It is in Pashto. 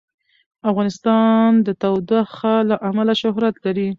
افغانستان د تودوخه له امله شهرت لري.